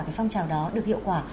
cái phong trào đó được hiệu quả